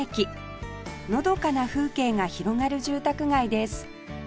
のどかな風景が広がる住宅街です